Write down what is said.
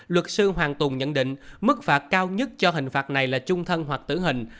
luật sư hoàng tùng nhận định mức phạt cao nhất cho hình phạt này là trung thân hoặc tử hình